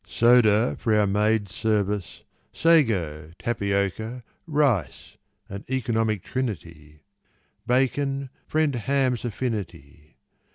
Soda for our maid's service, Sago, tapioca, rice An economic trinity, Bacon, friend ham's affinity.